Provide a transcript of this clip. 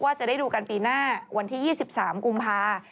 จะได้ดูกันปีหน้าวันที่๒๓กุมภา